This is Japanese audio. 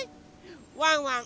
ワンワン